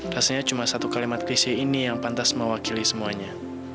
rasanya cuma satu kalimat krisis ini yang pantas mewakili semuanya